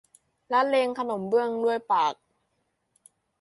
ละเลงขนมเบื้องด้วยปาก